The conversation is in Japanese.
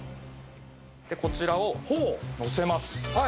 こちらをのせます。